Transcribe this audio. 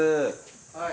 はい。